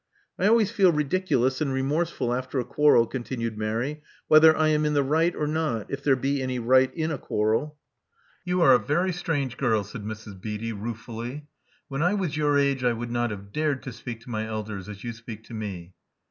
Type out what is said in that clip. •*I always feel ridiculous and remorseful after a quarrel," continued Mary, whether I am in the right or not — if there be any right in a quarrel." You are a very strange girl," said Mrs. Beatty, ruefully. When I was your age, I would not have dared to speak to my elders as you speak to me."